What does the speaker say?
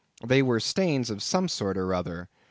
They were stains of some sort or other.